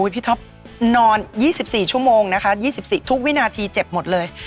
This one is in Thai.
ท็อปนอน๒๔ชั่วโมงนะคะ๒๔ทุกวินาทีเจ็บหมดเลย